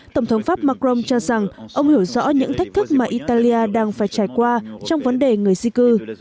tổng thống pháp macron cho rằng ông hiểu rõ những thách thức mà italia đang phải trải qua trong vấn đề người di cư